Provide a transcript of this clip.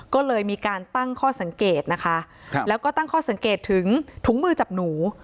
ก็เลยมีการตั้งข้อสังเกตนะคะแล้วก็ตั้งข้อสังเกตถึงถุงมือจับหนู